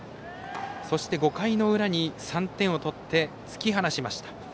そして、５回の裏に３点を取って突き放しました。